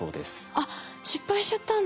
あっ失敗しちゃったんだ。